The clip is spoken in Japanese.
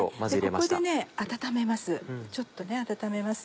ここで温めます